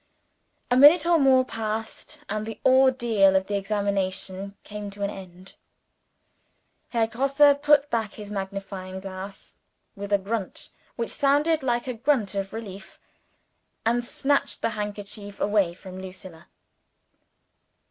A minute, or more, passed and the ordeal of the examination came to an end. Herr Grosse put back his magnifying glass with a grunt which sounded like a grunt of relief, and snatched the handkerchief away from Lucilla.